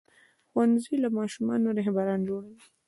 ښوونځی له ماشومانو رهبران جوړوي.